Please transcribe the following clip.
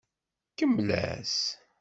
Kemmel-as.